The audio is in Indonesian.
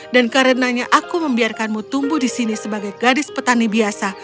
dan karenanya aku membiarkanmu tumbuh di sini sebagai gadis petani biasa